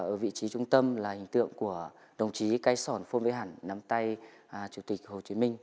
ở vị trí trung tâm là hình tượng của đồng chí cái sỏn phôn với hẳn nắm tay chủ tịch hồ chí minh